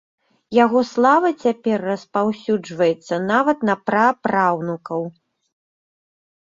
Яго слава цяпер распаўсюджваецца нават на прапраўнукаў.